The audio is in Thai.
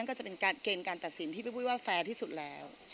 ก็จะเป็นเกณฑ์การตัดสินที่พี่ปุ้ยว่าแฟร์ที่สุดแล้ว